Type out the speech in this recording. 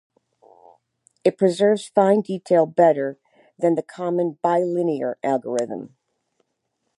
It preserves fine detail better than the common bilinear algorithm.